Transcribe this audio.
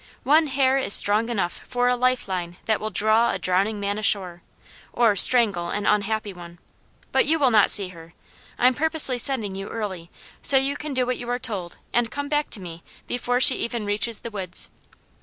One hair is strong enough for a lifeline that will draw a drowning man ashore, or strangle an unhappy one. But you will not see her. I'm purposely sending you early, so you can do what you are told and come back to me before she even reaches the woods."